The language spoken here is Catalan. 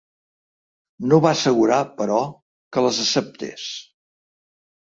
No va assegurar, però, que les acceptés.